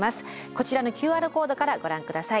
こちらのＱＲコードからご覧下さい。